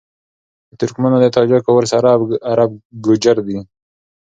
د ترکمــــنــــــو، د تاجـــــــــکــــو، ورســـــره عــــرب گـــوجـــر دي